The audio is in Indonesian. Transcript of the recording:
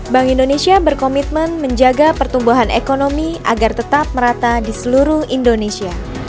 bank indonesia berkomitmen menjaga pertumbuhan ekonomi agar tetap merata di seluruh indonesia